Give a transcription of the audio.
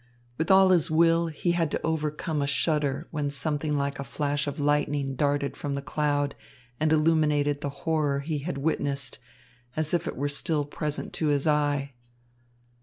With all his will, he had to overcome a shudder when something like a flash of lightning darted from the cloud and illuminated the horror he had witnessed, as if it were still present to his eye.